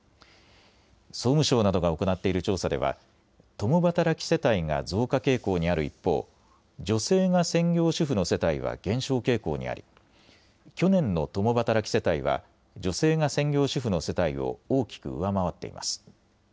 総務省などが行っている調査では共働き世帯が増加傾向にある一方、女性が専業主婦の世帯は減少傾向にあり去年の共働き世帯は女性が専業主婦の世帯を大きく上回っています。